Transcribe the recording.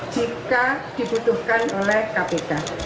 jika dibutuhkan oleh kpk